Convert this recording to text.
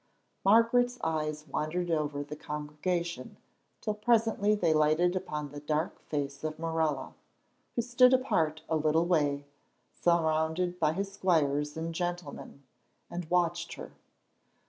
Margaret's eyes wandered over the congregation till presently they lighted upon the dark face of Morella, who stood apart a little way, surrounded by his squires and gentlemen, and watched her.